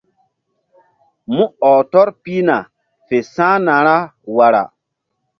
Mú ɔh tɔr pihna fe sa̧hna ra wara.